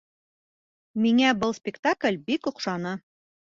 Миңә был спектакль бик оҡшаны